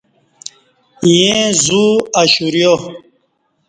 ییں زو اشُوریا۔